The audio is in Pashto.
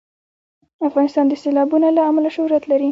افغانستان د سیلابونه له امله شهرت لري.